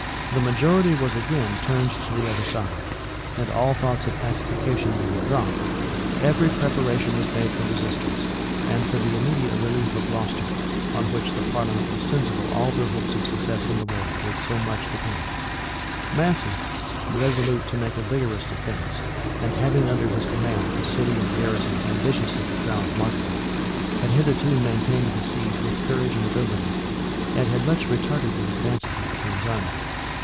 [] The majority was again turned to the other side, and all thoughts of pacification being dropped, every preparation was made for resistance, and for the immediate relief of Gloucester, on which the parliament was sensible all their hopes of success in the war did so much depend. * Rush. vol. vi. p. 356. Clarendon, vol. iii. p. 320. Rush, vol. vi. p. 588. Massey, resolute to make a vigorous defence, and having under his command a city and garrison ambitious of the crown of martyrdom, had hitherto maintained the siege with courage and abilities, and had much retarded the advances of the king's army.